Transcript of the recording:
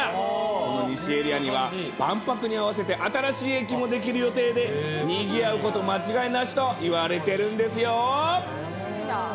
この西エリアには、万博に合わせて新しい駅もできる予定で、にぎわうこと間違いなしといわれてるんですよ。